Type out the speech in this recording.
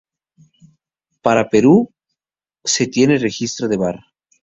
Para Perú, se tiene registro de var.